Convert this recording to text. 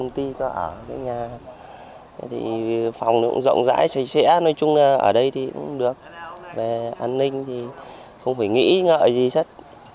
thứ nhất là tiền nhà không mất